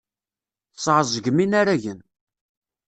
Tesɛeẓgem inaragen.